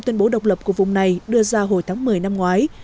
tuyên bố độc lập của vùng này đưa ra hồi tháng một mươi năm ngoái